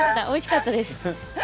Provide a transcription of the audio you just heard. おいしかったです。